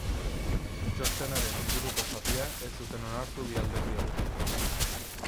Txostenaren inguruko zatia ez zuten onartu bi alderdi horiek.